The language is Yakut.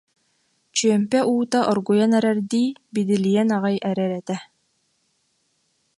Чүөмпэ уута оргуйан эрэрдии биди- лийэн аҕай эрэр этэ